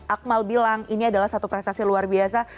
akmal bilang ini adalah satu prestasi luar biasa